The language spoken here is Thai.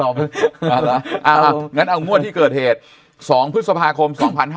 เอางั้นเอางวดที่เกิดเหตุ๒พฤษภาคม๒๕๕๙